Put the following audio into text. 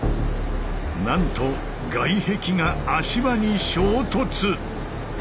なんと外壁が足場に衝突。